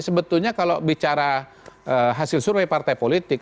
sebetulnya kalau bicara hasil survei partai politik